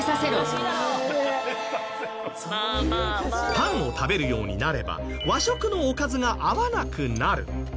パンを食べるようになれば和食のおかずが合わなくなる。